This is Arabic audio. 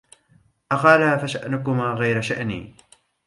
أقلا فشأنكما غير شاني